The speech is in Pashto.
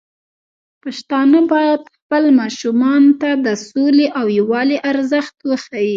پښتانه بايد خپل ماشومان ته د سولې او يووالي ارزښت وښيي.